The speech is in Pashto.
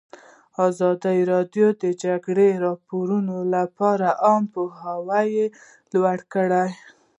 ازادي راډیو د د جګړې راپورونه لپاره عامه پوهاوي لوړ کړی.